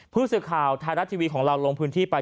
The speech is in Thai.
พฤษฐาของท้ายรัฐทีวีแล้วลงพื้นที่ไป